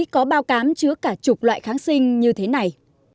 có bao cám chứa cả chục loại kháng sinh như thế này